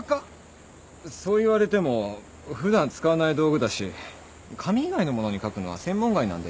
そう言われても普段使わない道具だし紙以外のものに書くのは専門外なんで。